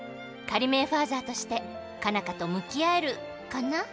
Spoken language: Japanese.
仮免ファーザーとして佳奈花と向き合えるカナ？